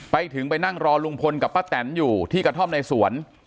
ไปถึงไปนั่งรอลุงพลกับป้าแตนอยู่ที่กระท่อมในสวน